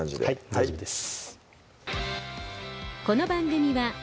大丈夫です